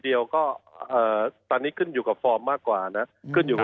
เดียวก็ตอนนี้ขึ้นอยู่กับฟอร์มมากกว่านะขึ้นอยู่กับ